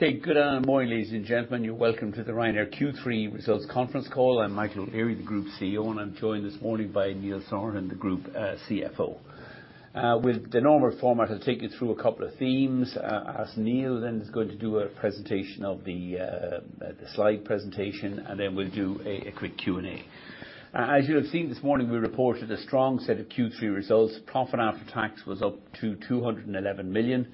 Okay, good morning, ladies and gentlemen. You're welcome to the Ryanair Q3 Results Conference Call. I'm Michael O'Leary, the Group CEO, and I'm joined this morning by Neil Sorahan, the Group CFO. With the normal format, I'll take you through a couple of themes, as Neil then is going to do a presentation of the slide presentation, and then we'll do a quick Q&A. As you have seen this morning, we reported a strong set of Q3 results. Profit after tax was up to 211 million,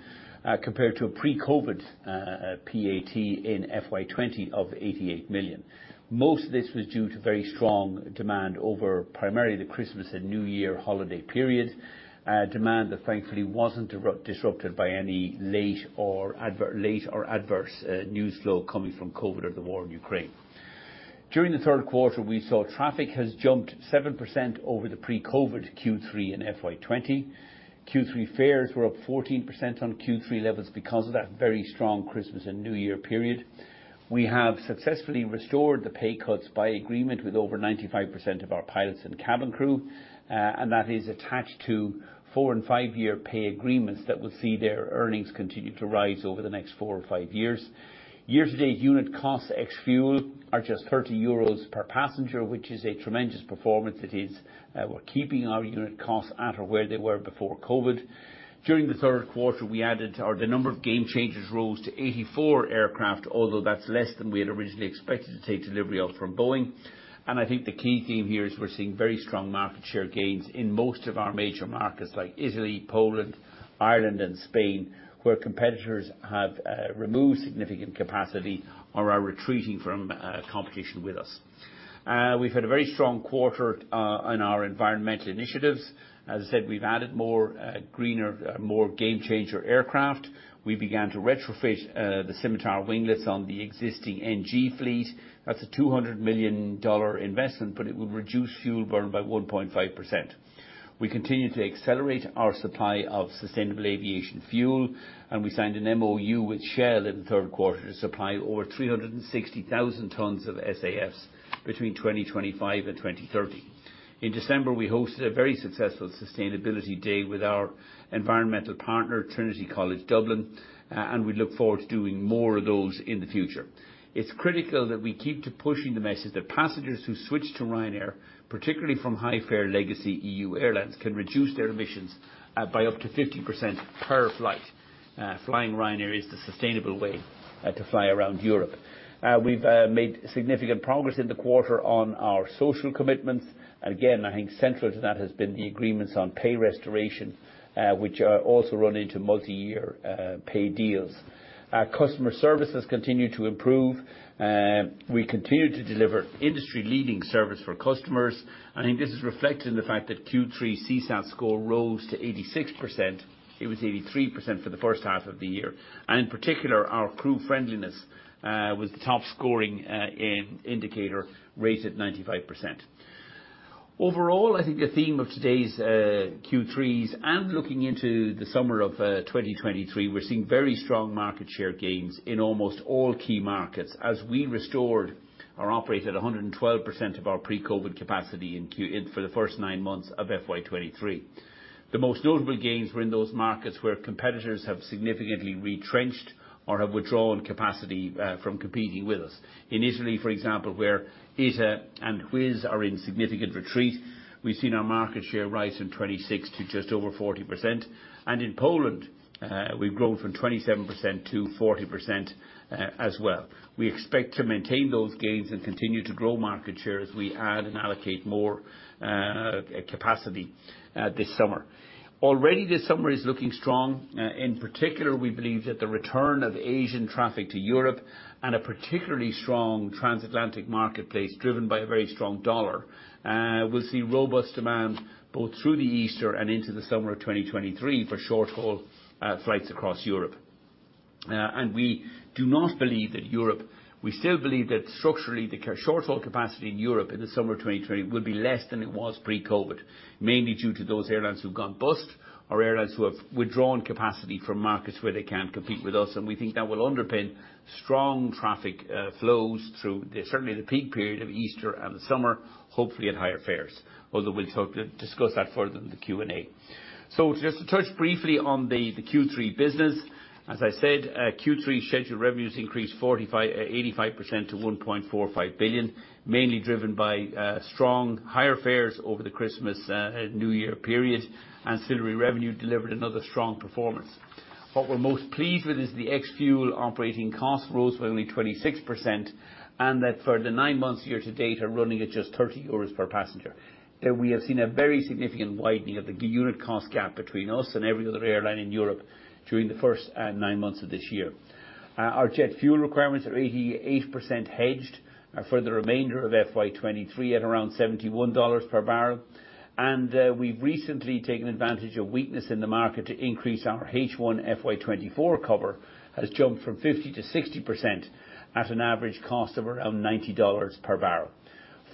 compared to a pre-COVID PAT in FY20 of 88 million. Most of this was due to very strong demand over primarily the Christmas and New Year holiday period. Demand that thankfully wasn't disrupted by any late or adverse news flow coming from COVID or the war in Ukraine. During the third quarter, we saw traffic has jumped 7% over the pre-COVID Q3 and FY20. Q3 fares were up 14% on Q3 levels because of that very strong Christmas and New Year period. We have successfully restored the pay cuts by agreement with over 95% of our pilots and cabin crew. That is attached to four and five year pay agreements that will see their earnings continue to rise over the next four or five years. Year-to-date unit costs, ex-fuel, are just 30 euros per passenger, which is a tremendous performance. It is, we're keeping our unit costs at or where they were before COVID. During the third quarter, the number of Gamechangers rose to 84 aircraft, although that's less than we had originally expected to take delivery of from Boeing. I think the key theme here is we're seeing very strong market share gains in most of our major markets, like Italy, Poland, Ireland and Spain, where competitors have removed significant capacity or are retreating from competition with us. We've had a very strong quarter on our environmental initiatives. As I said, we've added more greener, more Gamechanger aircraft. We began to retrofit the Split Scimitar winglets on the existing 737 NG fleet. That's a $200 million investment, it will reduce fuel burn by 1.5%. We continue to accelerate our supply of sustainable aviation fuel. We signed an MOU with Shell in the third quarter to supply over 360,000 tons of SAFs between 2025 and 2030. In December, we hosted a very successful sustainability day with our environmental partner, Trinity College Dublin. We look forward to doing more of those in the future. It's critical that we keep to pushing the message that passengers who switch to Ryanair, particularly from high-fare legacy EU airlines, can reduce their emissions by up to 50% per flight. Flying Ryanair is the sustainable way to fly around Europe. We've made significant progress in the quarter on our social commitments. Again, I think central to that has been the agreements on pay restoration, which are also run into multi-year pay deals. Our customer service has continued to improve. We continue to deliver industry-leading service for customers. I think this is reflected in the fact that Q3 CSAT score rose to 86%. It was 83% for the first half of the year. In particular, our crew friendliness was the top-scoring indicator, rated 95%. Overall, I think the theme of today's Q3's and looking into the summer of 2023, we're seeing very strong market share gains in almost all key markets as we restored or operated 112% of our pre-COVID capacity in for the first nine months of FY23. The most notable gains were in those markets where competitors have significantly retrenched or have withdrawn capacity from competing with us. In Italy, for example, where ITA and Wizz Air are in significant retreat, we've seen our market share rise from 26% to just over 40%. In Poland, we've grown from 27% to 40% as well. We expect to maintain those gains and continue to grow market share as we add and allocate more capacity this summer. Already this summer is looking strong. In particular, we believe that the return of Asian traffic to Europe and a particularly strong transatlantic marketplace driven by a very strong dollar will see robust demand both through the Easter and into the summer of 2023 for short-haul flights across Europe. We do not believe that. We still believe that structurally, short-haul capacity in Europe in the summer of 2020 will be less than it was pre-COVID, mainly due to those airlines who've gone bust or airlines who have withdrawn capacity from markets where they can't compete with us. We think that will underpin strong traffic flows through the, certainly the peak period of Easter and the summer, hopefully at higher fares. Although we'll discuss that further in the Q&A. Just to touch briefly on the Q3 business. As I said, Q3 scheduled revenues increased 85% to 1.45 billion, mainly driven by strong higher fares over the Christmas New Year period, ancillary revenue delivered another strong performance. What we're most pleased with is the ex-fuel operating cost rose by only 26%, and that for the 9 months year to date are running at just 30 euros per passenger. We have seen a very significant widening of the unit cost gap between us and every other airline in Europe during the first 9 months of this year. Our jet fuel requirements are 88% hedged for the remainder of FY23 at around $71 per barrel. We've recently taken advantage of weakness in the market to increase our H1 FY24 cover has jumped from 50%-60% at an average cost of around $90 per barrel.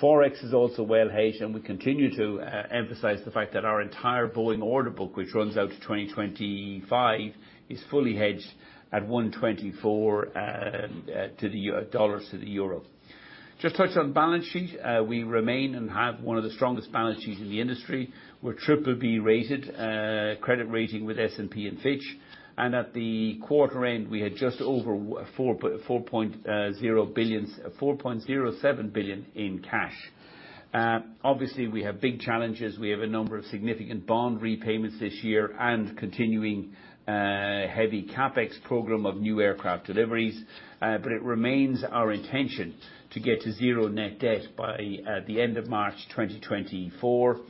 Forex is also well hedged. We continue to emphasize the fact that our entire Boeing order book, which runs out to 2025, is fully hedged at 1.24 dollars to the euro. Just touch on balance sheet. We remain and have one of the strongest balance sheets in the industry. We're BBB rated credit rating with S&P and Fitch. At the quarter end, we had just over 4.07 billion in cash. Obviously we have big challenges. We have a number of significant bond repayments this year and continuing heavy CapEx program of new aircraft deliveries. It remains our intention to get to zero net debt by the end of March 2024,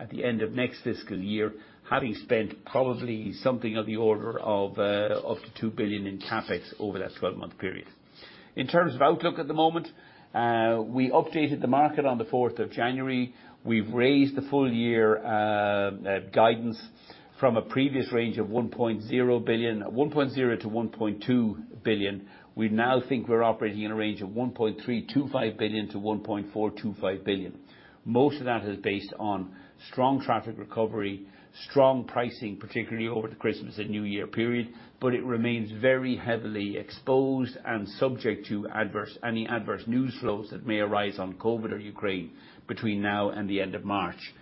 at the end of next fiscal year, having spent probably something of the order of up to 2 billion in CapEx over that 12-month period. In terms of outlook at the moment, we updated the market on the 4th of January. We've raised the full year guidance from a previous range of 1.0 billion-1.2 billion. We now think we're operating in a range of 1.325 billion-1.425 billion. Most of that is based on strong traffic recovery, strong pricing, particularly over the Christmas and New Year period. It remains very heavily exposed and subject to any adverse news flows that may arise on COVID-19 or Ukraine between now and the end of March.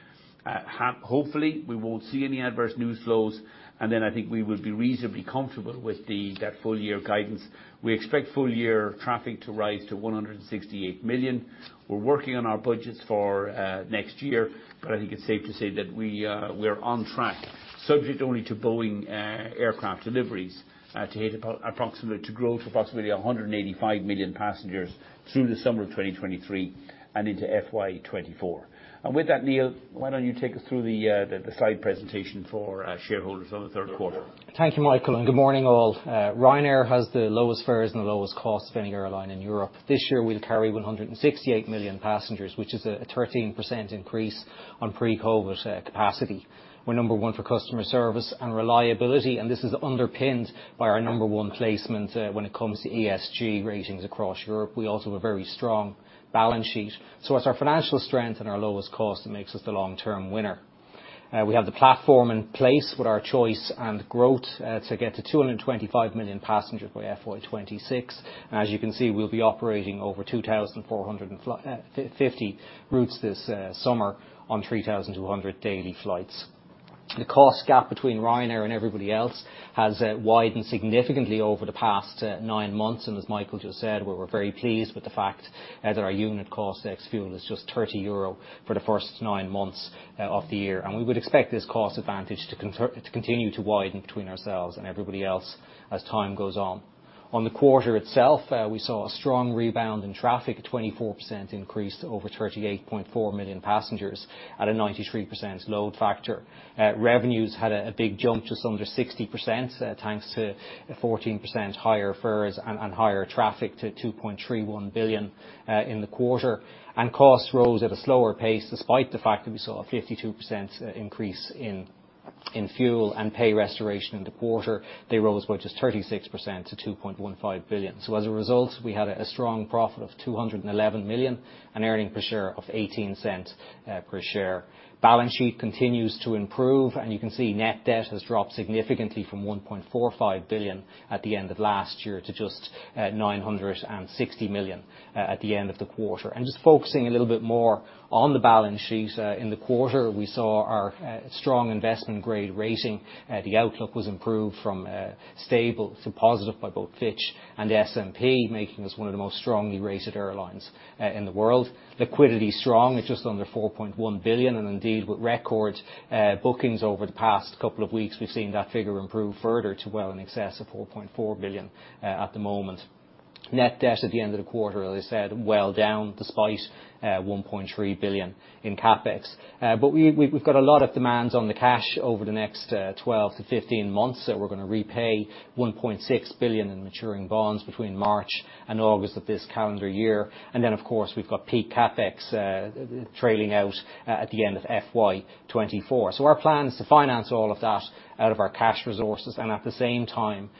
Hopefully, we won't see any adverse news flows, I think we would be reasonably comfortable with that full-year guidance. We expect full-year traffic to rise to 168 million. We're working on our budgets for next year, I think it's safe to say that we're on track, subject only to Boeing aircraft deliveries to grow to possibly 185 million passengers through the summer of 2023 and into FY24. With that, Neil, why don't you take us through the slide presentation for our shareholders on the third quarter? Thank you, Michael. Good morning all. Ryanair has the lowest fares and the lowest costs of any airline in Europe. This year, we'll carry 168 million passengers, which is a 13% increase on pre-COVID capacity. We're number one for customer service and reliability, and this is underpinned by our number one placement when it comes to ESG ratings across Europe. We also have a very strong balance sheet. It's our financial strength and our lowest cost that makes us the long-term winner. We have the platform in place with our choice and growth to get to 225 million passengers by FY26. As you can see, we'll be operating over 2,450 routes this summer on 3,200 daily flights. The cost gap between Ryanair and everybody else has widened significantly over the past nine months, as Michael just said, we were very pleased with the fact that our unit cost, ex-fuel, is just 30 euro for the first 9 months of the year. We would expect this cost advantage to continue to widen between ourselves and everybody else as time goes on. On the quarter itself, we saw a strong rebound in traffic, a 24% increase to over 38.4 million passengers at a 93% load factor. Revenues had a big jump, just under 60%, thanks to a 14% higher fares and higher traffic to 2.31 billion in the quarter. Costs rose at a slower pace despite the fact that we saw a 52% increase in fuel and pay restoration in the quarter. They rose by just 36% to 2.15 billion. As a result, we had a strong profit of 211 million, an earning per share of 0.18 per share. Balance sheet continues to improve, and you can see net debt has dropped significantly from 1.45 billion at the end of last year to just 960 million at the end of the quarter. Just focusing a little bit more on the balance sheet in the quarter, we saw our strong investment-grade rating. The outlook was improved from stable to positive by both Fitch and the S&P, making us one of the most strongly rated airlines in the world. Liquidity is strong at just under 4.1 billion, and indeed, with record bookings over the past couple of weeks, we've seen that figure improve further to well in excess of 4.4 billion at the moment. Net debt at the end of the quarter, as I said, well down, despite 1.3 billion in CapEx. We've got a lot of demands on the cash over the next 12 to 15 months, so we're gonna repay 1.6 billion in maturing bonds between March and August of this calendar year. Of course, we've got peak CapEx trailing out at the end of FY24. Our plan is to finance all of that out of our cash resources and, at the same time,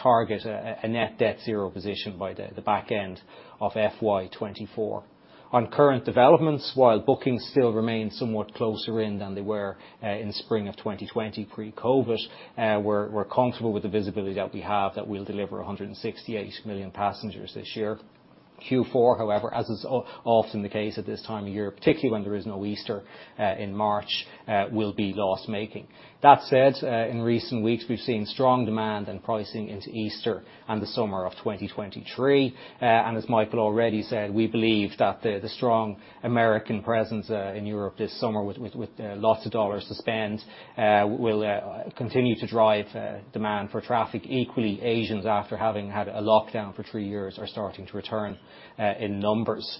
target a net debt zero position by the back end of FY24. On current developments, while bookings still remain somewhat closer in than they were in spring of 2020 pre-COVID, we're comfortable with the visibility that we have that we'll deliver 168 million passengers this year. Q4, however, as is often the case at this time of year, particularly when there is no Easter in March, will be loss-making. That said, in recent weeks, we've seen strong demand and pricing into Easter and the summer of 2023. As Michael already said, we believe that the strong American presence in Europe this summer with lots of dollars to spend will continue to drive demand for traffic. Equally, Asians, after having had a lockdown for 3 years, are starting to return in numbers.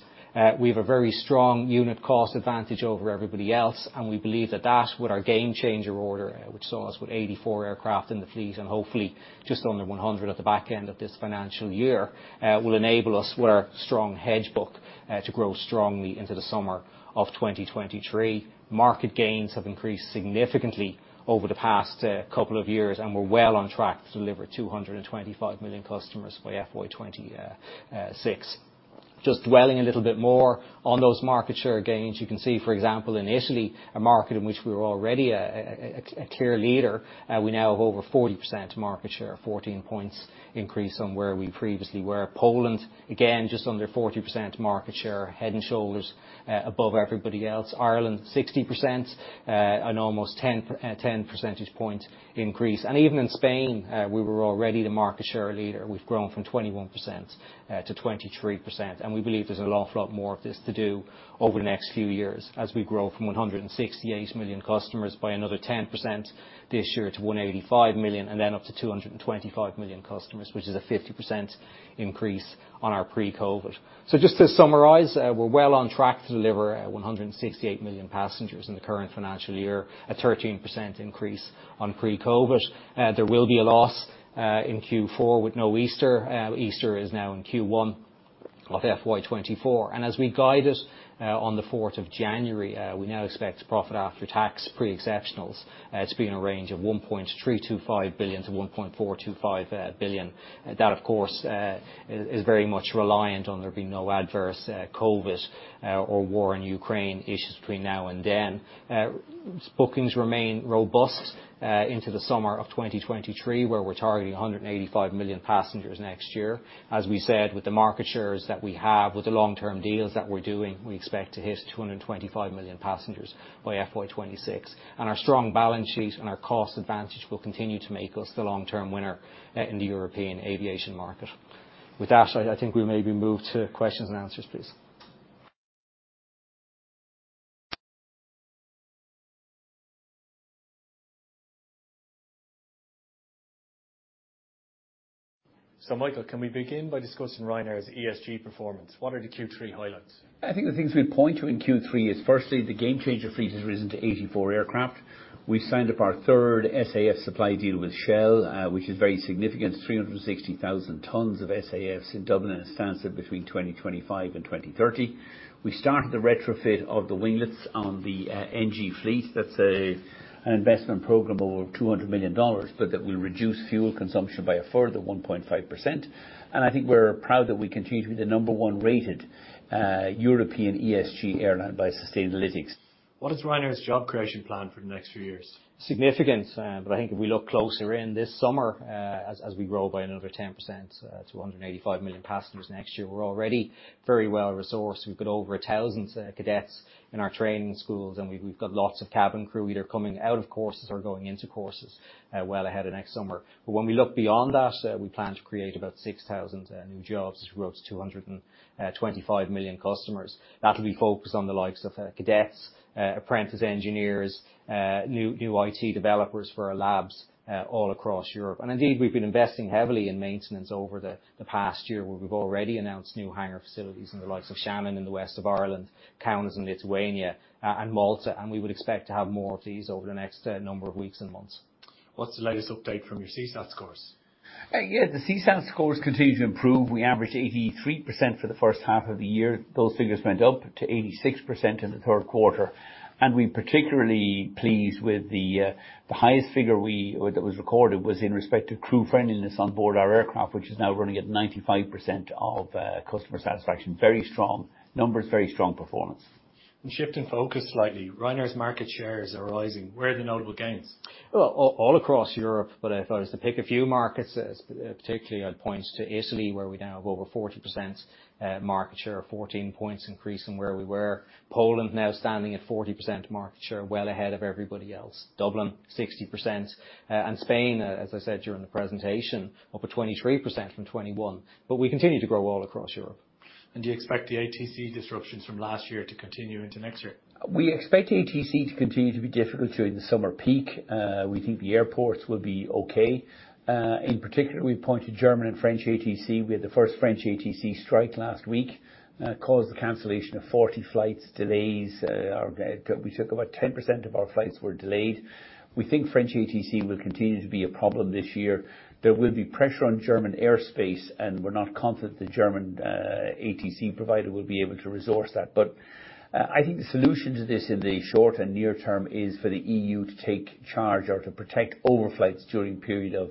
We have a very strong unit cost advantage over everybody else, and we believe that with our Gamechanger order, which saw us with 84 aircraft in the fleet and hopefully just under 100 at the back end of this financial year, will enable us, with our strong hedge book, to grow strongly into the summer of 2023. Market gains have increased significantly over the past couple of years, and we're well on track to deliver 225 million customers by FY26. Just dwelling a little bit more on those market share gains. You can see, for example, in Italy, a market in which we were already a clear leader, we now have over 40% market share, 14 points increase on where we previously were. Poland, again, just under 40% market share, head and shoulders above everybody else. Ireland, 60%, an almost 10 percentage point increase. Even in Spain, we were already the market share leader. We've grown from 21% to 23%, we believe there's an awful lot more of this to do over the next few years as we grow from 168 million customers by another 10% this year to 185 million and then up to 225 million customers, which is a 50% increase on our pre-COVID. Just to summarize, we're well on track to deliver 168 million passengers in the current financial year, a 13% increase on pre-COVID. There will be a loss in Q4 with no Easter. Easter is now in Q1 of FY24. As we guided, on the fourth of January, we now expect profit after tax pre-exceptionals to be in a range of 1.325 billion-1.425 billion. That, of course, is very much reliant on there being no adverse COVID, or war in Ukraine issues between now and then. Bookings remain robust, into the summer of 2023, where we're targeting 185 million passengers next year. As we said, with the market shares that we have, with the long-term deals that we're doing, we expect to hit 225 million passengers by FY26. Our strong balance sheet and our cost advantage will continue to make us the long-term winner, in the European aviation market. With that, I think we maybe move to questions and answers, please. Michael, can we begin by discussing Ryanair's ESG performance? What are the Q3 highlights? I think the things we'd point to in Q3 is firstly, the Gamechanger fleet has risen to 84 aircraft. We've signed up our third SAF supply deal with Shell, which is very significant. 360,000 tons of SAFs in Dublin and Stansted between 2025 and 2030. We started the retrofit of the winglets on the NG fleet. That's an investment program over $200 million, but that will reduce fuel consumption by a further 1.5%. I think we're proud that we continue to be the number 1 rated European ESG airline by Sustainalytics. What is Ryanair's job creation plan for the next few years? Significant, but I think if we look closer in this summer, as we grow by another 10%, to 185 million passengers next year, we're already very well-resourced. We've got over 1,000 cadets in our training schools, and we've got lots of cabin crew either coming out of courses or going into courses, well ahead of next summer. When we look beyond that, we plan to create about 6,000 new jobs as we grow to 225 million customers. That'll be focused on the likes of cadets, apprentice engineers, new IT developers for our labs, all across Europe. Indeed, we've been investing heavily in maintenance over the past year, where we've already announced new hangar facilities in the likes of Shannon in the west of Ireland, Kaunas in Lithuania, and Malta, and we would expect to have more of these over the next number of weeks and months. What's the latest update from your CSAT scores? yeah, the CSAT scores continue to improve. We averaged 83% for the first half of the year. Those figures went up to 86% in the third quarter. We're particularly pleased with the highest figure that was recorded was in respect to crew friendliness on board our aircraft, which is now running at 95% of customer satisfaction. Very strong numbers, very strong performance. Shifting focus slightly, Ryanair's market shares are rising. Where are the notable gains? Well, all across Europe, but if I was to pick a few markets, as, particularly I'd point to Italy, where we now have over 40% market share, 14 points increase from where we were. Poland now standing at 40% market share, well ahead of everybody else. Dublin, 60%. Spain, as I said during the presentation, up at 23% from 21. We continue to grow all across Europe. Do you expect the ATC disruptions from last year to continue into next year? We expect ATC to continue to be difficult during the summer peak. We think the airports will be okay. In particular, we point to German and French ATC. We had the first French ATC strike last week, caused the cancellation of 40 flights, delays, we took about 10% of our flights were delayed. We think French ATC will continue to be a problem this year. There will be pressure on German airspace, we're not confident the German ATC provider will be able to resource that. I think the solution to this in the short and near term is for the EU to take charge or to protect overflights during period of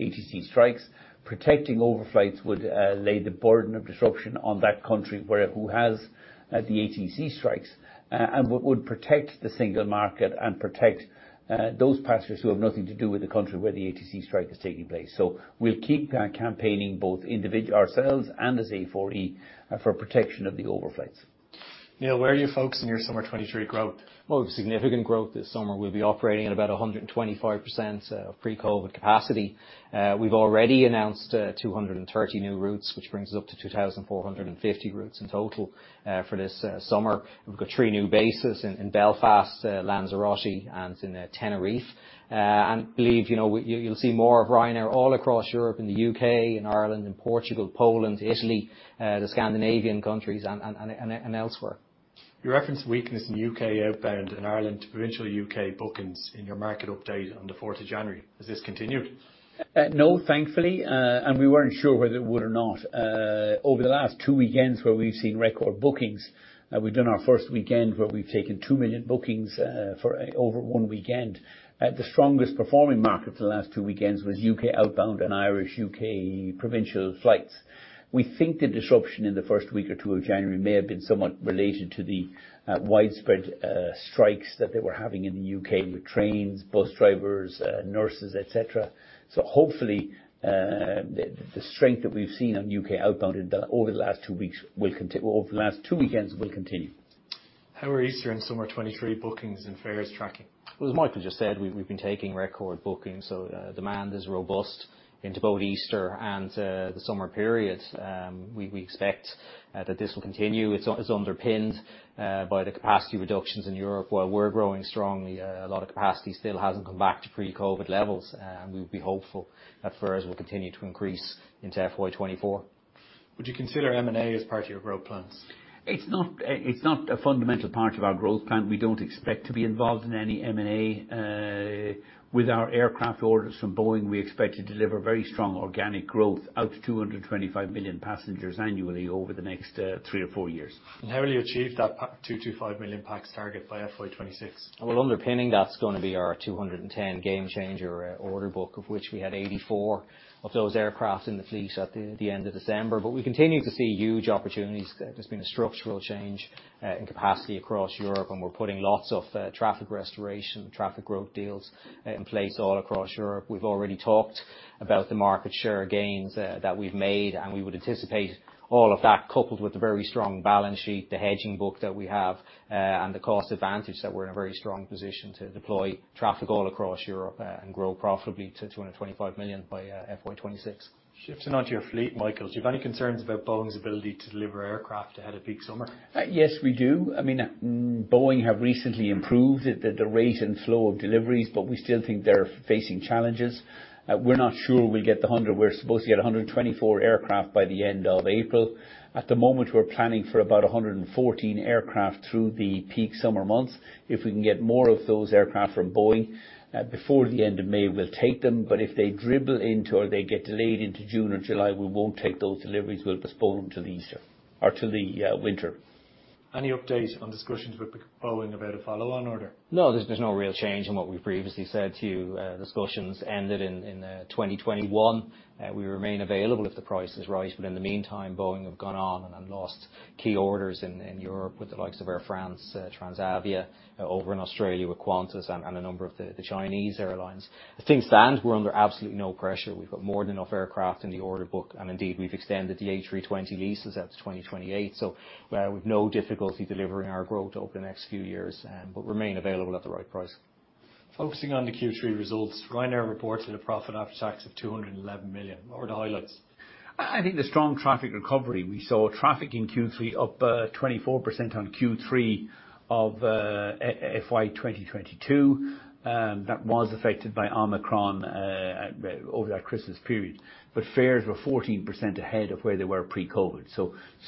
ATC strikes. Protecting overflights would lay the burden of disruption on that country who has the ATC strikes and would protect the single market and protect those passengers who have nothing to do with the country where the ATC strike is taking place. We'll keep campaigning both ourselves and as A4E for protection of the overflights. Neil, where are you focusing your summer 2023 growth? Well, significant growth this summer. We'll be operating at about 125% of pre-COVID capacity. We've already announced 230 new routes, which brings us up to 2,450 routes in total for this summer. We've got 3 new bases in Belfast, Lanzarote, and in Tenerife. Believe, you know, you'll see more of Ryanair all across Europe, in the U.K., in Ireland, in Portugal, Poland, Italy, the Scandinavian countries, and elsewhere. You referenced weakness in U.K. outbound and Ireland provincial U.K. bookings in your market update on the fourth of January. Has this continued? No, thankfully, we weren't sure whether it would or not. Over the last 2 weekends where we've seen record bookings, we've done our first weekend where we've taken 2 million bookings, for over 1 weekend. The strongest performing market for the last 2 weekends was UK outbound and Irish-UK provincial flights. We think the disruption in the first week or 2 of January may have been somewhat related to the widespread strikes that they were having in the UK with trains, bus drivers, nurses, et cetera. Hopefully, the strength that we've seen on UK outbound over the last 2 weeks or over the last 2 weekends will continue. How are Easter and Summer 2023 bookings and fares tracking Well, as Michael just said, we've been taking record bookings, so demand is robust into both Easter and the summer period. We expect that this will continue. It's underpinned by the capacity reductions in Europe. While we're growing strongly, a lot of capacity still hasn't come back to pre-COVID levels. We'd be hopeful that fares will continue to increase into FY24. Would you consider M&A as part of your growth plans? It's not a fundamental part of our growth plan. We don't expect to be involved in any M&A. With our aircraft orders from Boeing, we expect to deliver very strong organic growth out to 225 million passengers annually over the next, three or four years. How will you achieve that 225 million pax target by FY26? Underpinning that's gonna be our 210 Gamechanger order book, of which we had 84 of those aircraft in the fleet at the end of December. We continue to see huge opportunities. There's been a structural change in capacity across Europe. We're putting lots of traffic restoration, traffic growth deals in place all across Europe. We've already talked about the market share gains that we've made. We would anticipate all of that coupled with the very strong balance sheet, the hedging book that we have, and the cost advantage that we're in a very strong position to deploy traffic all across Europe and grow profitably to 225 million by FY26. Shifting onto your fleet, Michael, do you have any concerns about Boeing's ability to deliver aircraft ahead of peak summer? Yes, we do. I mean, Boeing have recently improved at the rate and flow of deliveries, but we still think they're facing challenges. We're not sure we'll get the 100. We're supposed to get 124 aircraft by the end of April. At the moment, we're planning for about 114 aircraft through the peak summer months. If we can get more of those aircraft from Boeing before the end of May, we'll take them. If they dribble into or they get delayed into June or July, we won't take those deliveries. We'll postpone them to the Easter or to the winter. Any update on discussions with Boeing about a follow-on order? No, there's been no real change in what we previously said to you. Discussions ended in 2021. We remain available if the price is right. In the meantime, Boeing have gone on and lost key orders in Europe with the likes of Air France, Transavia, over in Australia with Qantas and a number of the Chinese airlines. As things stand, we're under absolutely no pressure. We've got more than enough aircraft in the order book, and indeed, we've extended the A320 leases out to 2028. We have no difficulty delivering our growth over the next few years, but remain available at the right price. Focusing on the Q3 results, Ryanair reported a profit after tax of 211 million. What were the highlights? I think the strong traffic recovery. We saw traffic in Q3 up 24% on Q3 of FY2022, that was affected by Omicron over that Christmas period. Fares were 14% ahead of where they were pre-COVID.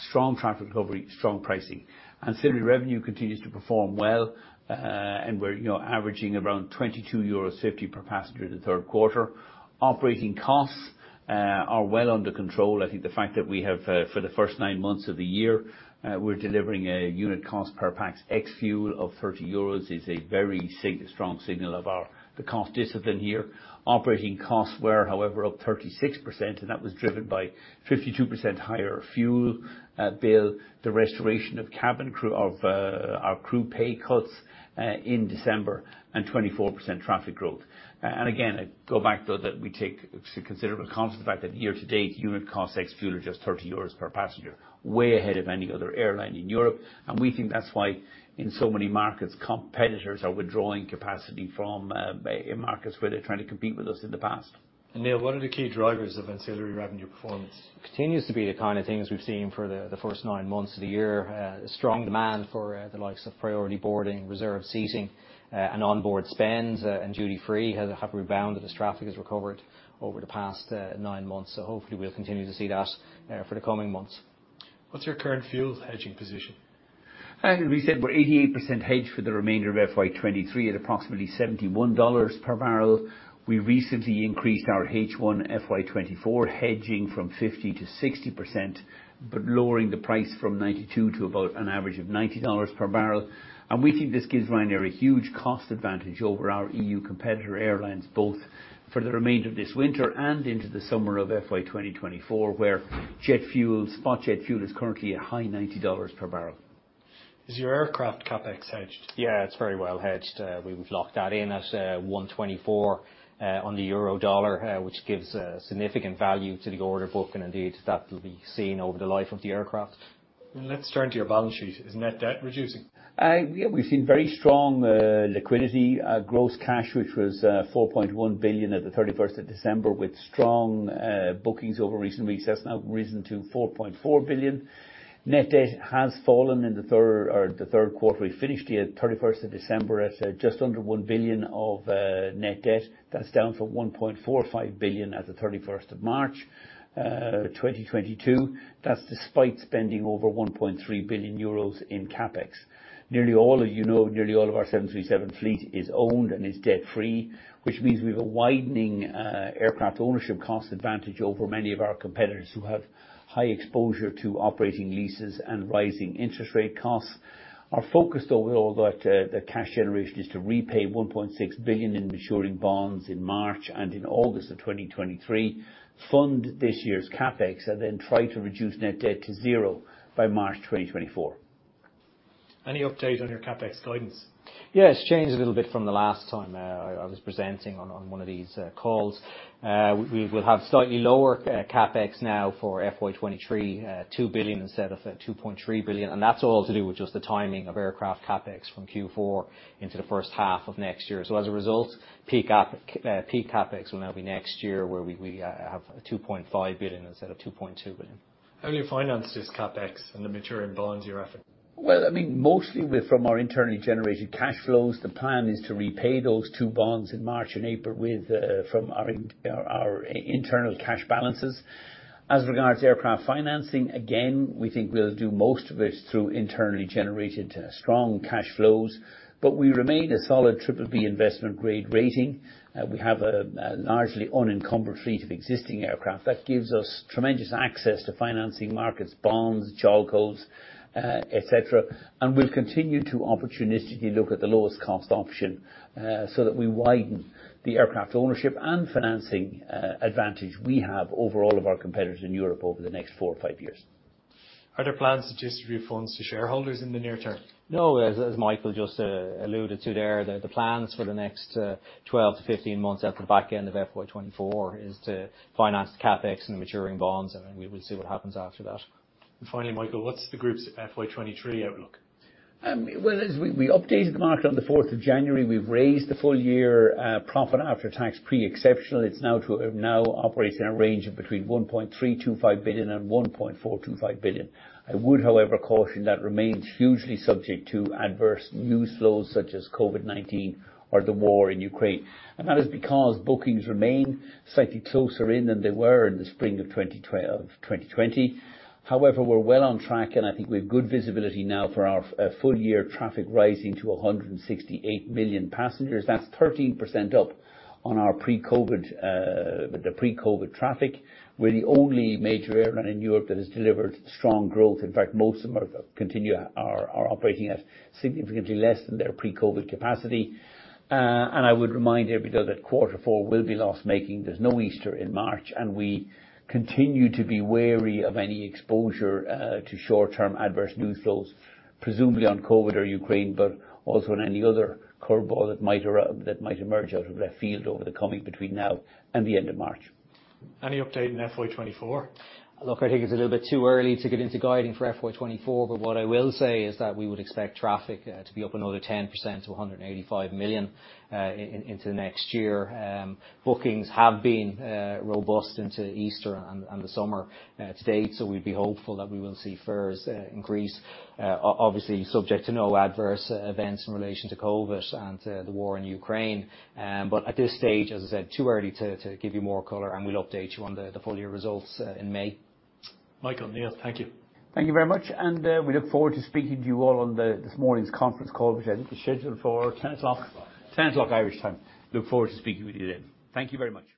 Strong traffic recovery, strong pricing. Ancillary revenue continues to perform well, and we're, you know, averaging around €22.50 per passenger in the third quarter. Operating costs are well under control. I think the fact that we have for the first nine months of the year, we're delivering a unit cost per pax ex-fuel of €30 is a very strong signal of our the cost discipline here. Operating costs were, however, up 36%, and that was driven by 52% higher fuel bill, the restoration of cabin crew of our crew pay cuts in December, and 24% traffic growth. Again, I go back though that we take considerable comfort in the fact that year to date, unit cost ex-fuel are just €30 per passenger, way ahead of any other airline in Europe. We think that's why in so many markets, competitors are withdrawing capacity from markets where they're trying to compete with us in the past. Neil, what are the key drivers of ancillary revenue performance? Continues to be the kind of things we've seen for the first nine months of the year. Strong demand for the likes of priority boarding, reserved seating, and onboard spend, and duty free have rebounded as traffic has recovered over the past nine months. Hopefully we'll continue to see that for the coming months. What's your current fuel hedging position? As we said, we're 88% hedged for the remainder of FY23 at approximately $71 per barrel. We recently increased our H1 FY24 hedging from 50% to 60%, but lowering the price from $92 to about an average of $90 per barrel. We think this gives Ryanair a huge cost advantage over our EU competitor airlines, both for the remainder of this winter and into the summer of FY2024, where jet fuel, spot jet fuel is currently a high $90 per barrel. Is your aircraft CapEx hedged? Yeah, it's very well hedged. We've locked that in at 124 on the euro dollar, which gives a significant value to the order book. Indeed that will be seen over the life of the aircraft. Let's turn to your balance sheet. Is net debt reducing? We've seen very strong liquidity. Gross cash, which was 4.1 billion at the 31st of December, with strong bookings over recent weeks, that's now risen to 4.4 billion. Net debt has fallen in the third or the third quarter. We finished the 31st of December at just under 1 billion of net debt. That's down from 1.45 billion at the 31st of March 2022. That's despite spending over 1.3 billion euros in CapEx. Nearly all of you know nearly all of our 737 fleet is owned and is debt-free, which means we've a widening aircraft ownership cost advantage over many of our competitors who have high exposure to operating leases and rising interest rate costs. Our focus overall though at the cash generation is to repay 1.6 billion in maturing bonds in March and in August of 2023, fund this year's CapEx, and then try to reduce net debt to 0 by March 2024. Any update on your CapEx guidance? Yes, changed a little bit from the last time, I was presenting on one of these calls. We will have slightly lower CapEx now for FY23, 2 billion instead of 2.3 billion. That's all to do with just the timing of aircraft CapEx from Q4 into the first half of next year. As a result, peak up, peak CapEx will now be next year where we have 2.5 billion instead of 2.2 billion. How are your finances CapEx in the maturing bonds you referenced? Well, I mean, mostly with from our internally generated cash flows. The plan is to repay those 2 bonds in March and April with from our internal cash balances. As regards aircraft financing, again, we think we'll do most of it through internally generated strong cash flows. We remain a solid BBB investment grade rating. We have a largely unencumbered fleet of existing aircraft that gives us tremendous access to financing markets, bonds, JOLCOs, et cetera. We'll continue to opportunistically look at the lowest cost option so that we widen the aircraft ownership and financing advantage we have over all of our competitors in Europe over the next 4 or 5 years. Are there plans to distribute funds to shareholders in the near term? No. As Michael just alluded to there, the plans for the next 12 to 15 months at the back end of FY24 is to finance CapEx and maturing bonds. We will see what happens after that. Finally, Michael, what's the group's FY23 outlook? Well, as we updated the market on the 4th of January. We've raised the full year PAT pre-exceptional. It now operates in a range of between 1.325 billion and 1.425 billion. I would, however, caution that remains hugely subject to adverse news flows such as COVID-19 or the war in Ukraine. That is because bookings remain slightly closer in than they were in the spring of 2020. However, we're well on track, and I think we have good visibility now for our full year traffic rising to 168 million passengers. That's 13% up on our pre-COVID traffic. We're the only major airline in Europe that has delivered strong growth. In fact, most of them continue are operating at significantly less than their pre-COVID capacity. I would remind everybody that quarter four will be loss-making. There's no Easter in March. We continue to be wary of any exposure to short-term adverse news flows, presumably on COVID or Ukraine, but also on any other curveball that might emerge out of left field over the coming between now and the end of March. Any update on FY24? Look, I think it's a little bit too early to get into guiding for FY24, but what I will say is that we would expect traffic to be up another 10% to 185 million into next year. Bookings have been robust into Easter and the summer to date, so we'd be hopeful that we will see fares increase. Obviously subject to no adverse events in relation to COVID and the war in Ukraine. At this stage, as I said, too early to give you more color, and we'll update you on the full year results in May. Michael, Neil, thank you. Thank you very much. We look forward to speaking to you all on this morning's conference call, which I think is scheduled for 10:00. 10:00 Irish time. Look forward to speaking with you then. Thank you very much.